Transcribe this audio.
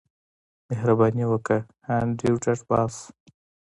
مهرباني وکړه انډریو ډاټ باس